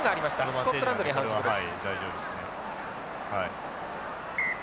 スコットランドに反則です。